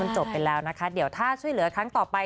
จบไปแล้วนะคะเดี๋ยวถ้าช่วยเหลือครั้งต่อไป